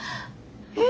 え？